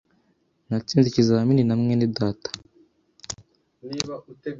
Natsinze ikizamini na mwene data.